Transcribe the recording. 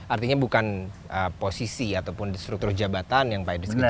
artinya bukan posisi ataupun struktur jabatan yang berkarya untuk bangsa ya